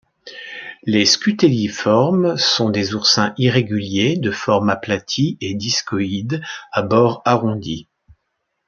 Les Scutelliformes sont des oursins irréguliers de forme aplatie et discoïde à bords arrondis.